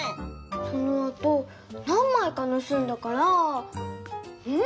そのあと何まいかぬすんだからん？